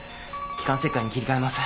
気管切開に切り替えます。